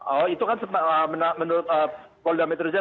oh itu kan menurut polda metri saya